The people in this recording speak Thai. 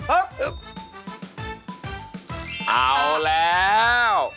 เอาแล้ว